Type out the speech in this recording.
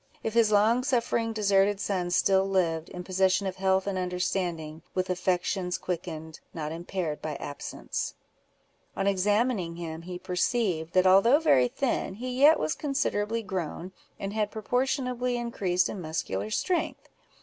—if his long suffering deserted son still lived, in possession of health and understanding, with affections quickened, not impaired by absence? On examining him, he perceived, that although very thin, he yet was considerably grown; and had proportionably increased in muscular strength.